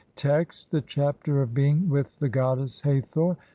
Text : (1) The Chapter of being with the goddess HATHOR.